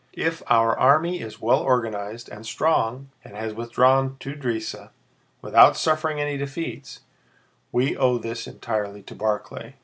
If our army is well organized and strong and has withdrawn to Drissa without suffering any defeats, we owe this entirely to Barclay.